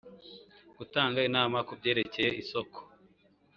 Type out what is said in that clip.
Gutanga inama ku byerekeye isoko